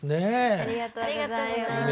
ありがとうございます。